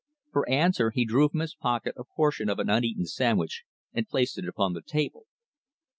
For answer he drew from his pocket a portion of an uneaten sandwich and placed it upon the table.